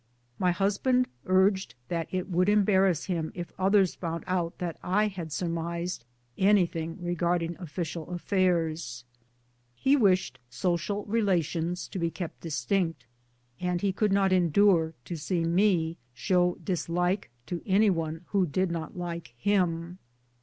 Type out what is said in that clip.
My husband uro^ed that it would embarrass him if others found out that I had surmised anything regarding official affairs. He wished social relations to be kept distinct, and he could not endure to see me show dislike to any one who did not like him.